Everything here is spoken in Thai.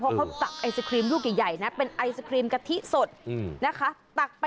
เพราะเขาตักไอศครีมลูกใหญ่นะเป็นไอศครีมกะทิสดนะคะ